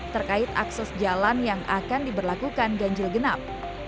terkait akses jalan yang akan diberlakukan ganjil genap